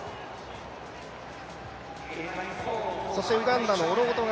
そしてウガンダのオロゴト。